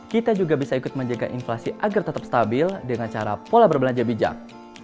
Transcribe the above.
kita juga bisa ikut menjaga inflasi agar tetap stabil dengan cara pola berbelanja bijak